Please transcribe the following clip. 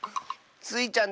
スイちゃん